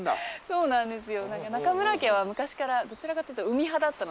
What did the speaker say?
そうなんですよ。